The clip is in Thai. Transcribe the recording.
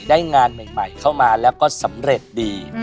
ได้งานใหม่เข้ามาแล้วก็สำเร็จดี